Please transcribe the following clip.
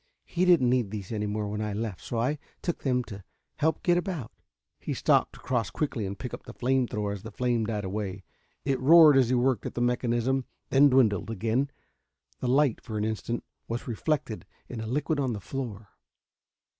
He didn't need these any more when I left, so I took them to help get about " He stopped, to cross quickly and pick up the flame thrower as the flame died away. It roared as he worked at the mechanism, then dwindled again. Its light, for an instant, was reflected in a liquid on the floor.